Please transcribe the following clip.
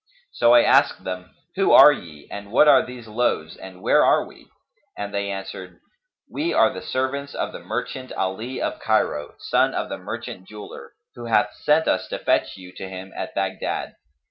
So I asked them, 'Who are ye and what are these loads and where are we?;' and they answered, 'We are the servants of the merchant Ali of Cairo, son of the merchant jeweller, who hath sent us to fetch you to him at Baghdad.'